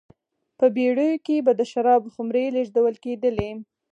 په بېړیو کې به د شرابو خُمرې لېږدول کېدلې